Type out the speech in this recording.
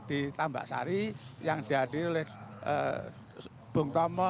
di tambak sari yang dihadiri oleh bung tomo